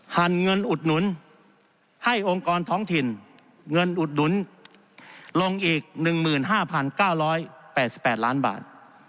หั่นเงินอุดหนุนให้องค์กรท้องถิ่นเงินอุดหนุนลงอีก๑๕๙๘๘ล้านบาท